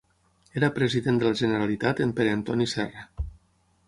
Era President de la Generalitat en Pere Antoni Serra.